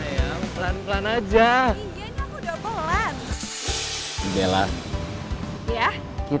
yang menjaga keamanan bapak reno